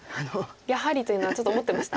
「やはり」というのはちょっと思ってました？